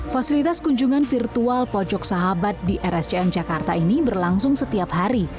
fasilitas kunjungan virtual pojok sahabat di rscm jakarta ini berlangsung setiap hari